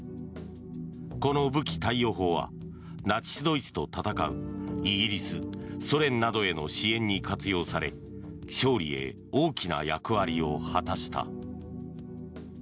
この武器貸与法はナチス・ドイツと戦うイギリス、ソ連などへの支援に活用され勝利へ大きな役割を果たした。